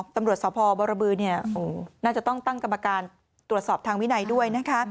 ตำรวจสพบรบือน่าจะต้องตั้งกรรมการตรวจสอบทางวินัยด้วยนะคะ